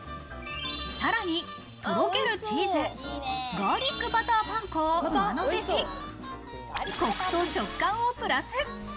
さらに、とろけるチーズ、ガーリックバターパン粉を上乗せし、コクと食感をプラス。